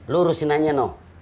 lu urusin aja dong